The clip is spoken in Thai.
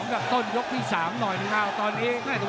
กับต้นยกที่สามหน่อยน่าวตอนนี้